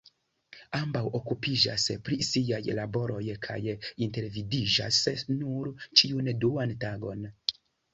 Ambaŭ okupiĝas pri siaj laboroj kaj intervidiĝas nur ĉiun duan tagon.